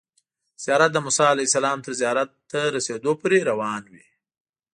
زیارت د موسی علیه السلام تر زیارت ته رسیدو پورې روان وي.